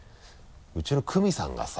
うちのクミさんがさ。